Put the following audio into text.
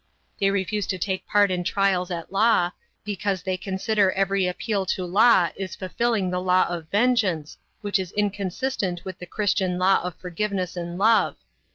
They refuse to take part in trials at law, because they consider every appeal to law is fulfilling the law of vengeance, which is inconsistent with the Christian law of forgiveness and love.